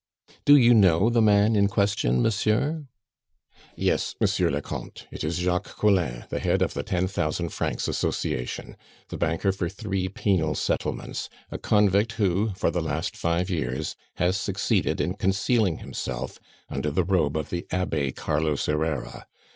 "Do you know the man in question, monsieur?" "Yes, Monsieur le Comte, it is Jacques Collin, the head of the 'Ten Thousand Francs Association,' the banker for three penal settlements, a convict who, for the last five years, has succeeded in concealing himself under the robe of the Abbe Carlos Herrera.